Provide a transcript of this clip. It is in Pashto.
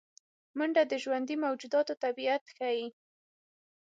منډه د ژوندي موجوداتو طبیعت ښيي